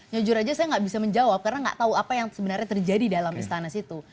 jujur aja saya nggak bisa menjawab karena nggak tahu apa yang sebenarnya terjadi dalam istana situ